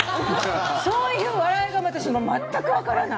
そういう笑いが私、全くわからない。